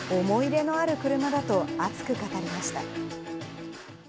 思い入れのある車だと熱く語りました。